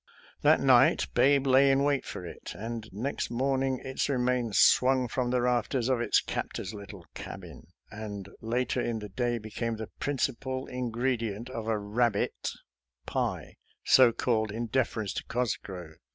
That night Babe lay in wait for it, and next morning its remains swung from the rafters of its captor's little cabin, and later in the day became the principal in gredient of a " rabbit " pie, so called in defer ence to Cosgrove.